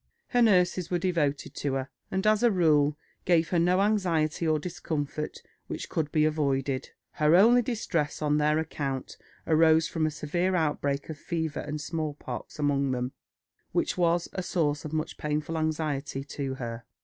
Her nurses were devoted to her, and, as a rule, gave her no anxiety or discomfort which could be avoided. Her only distress on their account arose from a severe outbreak of fever and small pox among them, which was a source of much painful anxiety to her.